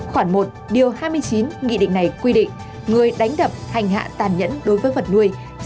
khoảng một điều hai mươi chín nghị định này quy định người đánh đập hành hạ tàn nhẫn đối với vật nuôi